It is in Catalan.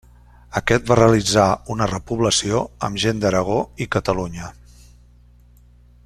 Aquest va realitzar una repoblació amb gent d'Aragó i Catalunya.